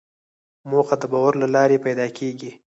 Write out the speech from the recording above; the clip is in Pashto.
موخه د باور له لارې پیدا کېږي.